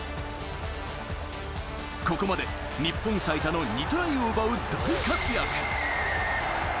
ここまで日本最多の２トライを奪う大活躍。